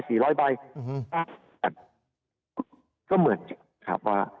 แต่ก็เหมือนกันครับว่า